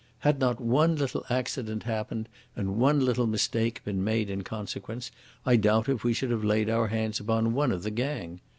Had not one little accident happened, and one little mistake been made in consequence, I doubt if we should have laid our hands upon one of the gang.